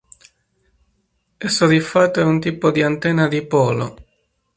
Esso di fatto è un tipo di antenna a dipolo.